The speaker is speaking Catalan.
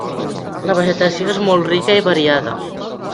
La vegetació és molt rica i variada.